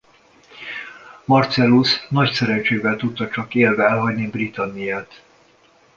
Marcellus nagy szerencsével tudta csak élve elhagyni Britanniát.